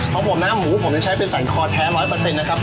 เผาอมน้ำหมูผมจะใช้เป็นฝั่งคอแท้๑๐๐นะครับ